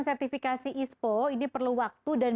sertifikasi ispo ini perlu waktu dan